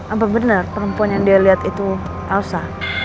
apa bener perempuan yang dia liat itu elsa